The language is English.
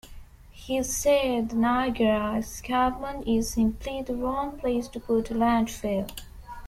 He said, The Niagara Escarpment is simply the wrong place to put a landfill.